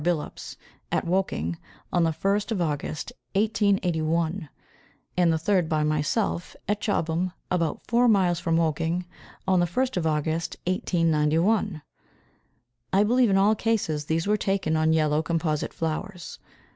Billups at Woking, on the first of August, 1881; and the third by myself at Chobham (about four miles from Woking) on the first of August, 1891. I believe in all cases these were taken on yellow composite flowers.